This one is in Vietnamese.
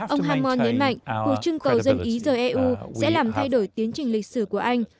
ông hammon nhấn mạnh cuộc trưng cầu dân ý rời eu sẽ làm thay đổi tiến trình lịch sử của anh